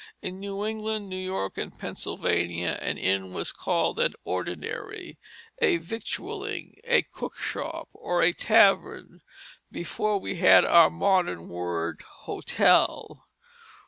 In New England, New York, and Pennsylvania an inn was called an ordinary, a victualling, a cook shop, or a tavern before we had our modern word hotel.